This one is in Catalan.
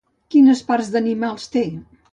Quines parts d'animals té?